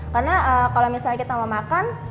karena kalau misalnya kita mau makan